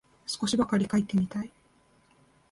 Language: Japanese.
少しばかり書いてみたい